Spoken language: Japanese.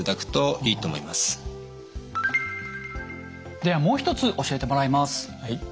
ではもう一つ教えてもらいます。